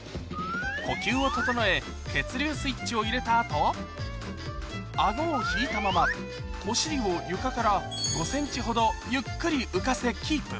呼吸を整え血流スイッチを入れた後顎を引いたままお尻を床から５ｃｍほどゆっくり浮かせキープ